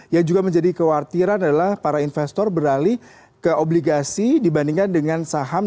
yang juga menjadi kekhawatiran adalah para investor beralih ke obligasi dibandingkan dengan saham